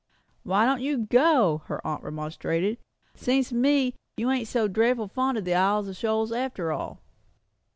"Why don't you go?" her aunt remonstrated. "Seems to me you ain't so dreadful fond of the Isles of Shoals after all."